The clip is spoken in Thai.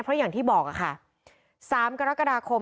เพราะอย่างที่บอกค่ะ๓กรกฎาคม